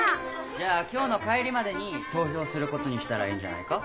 じゃあきょうの帰りまでにとうひょうすることにしたらいいんじゃないか？